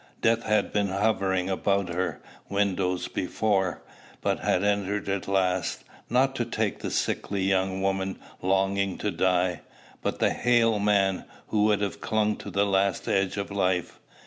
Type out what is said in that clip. Death had been hovering about her windows before, but had entered at last; not to take the sickly young woman longing to die, but the hale man, who would have clung to the last edge of life.